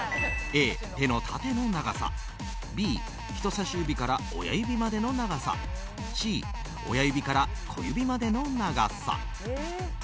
Ａ、手の縦の長さＢ、人さし指から親指までの長さＣ、親指から小指までの長さ。